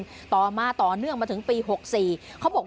สุดทนแล้วกับเพื่อนบ้านรายนี้ที่อยู่ข้างกัน